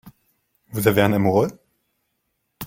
Vous avez un amoureux ?